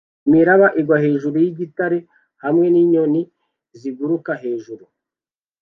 Imiraba igwa hejuru yigitare hamwe ninyoni ziguruka hejuru